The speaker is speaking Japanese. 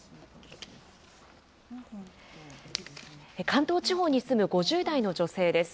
関東地方に住む５０代の女性です。